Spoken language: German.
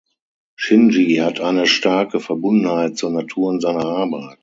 Shinji hat eine starke Verbundenheit zur Natur und seiner Arbeit.